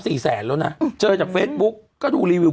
สี่แสนแล้วนะเจอจากเฟซบุ๊กก็ดูรีวิว